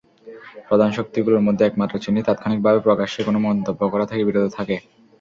প্রধান শক্তিগুলোর মধ্যে একমাত্র চীনই তাৎক্ষণিকভাবে প্রকাশ্যে কোনো মন্তব্য করা থেকে বিরত থাকে।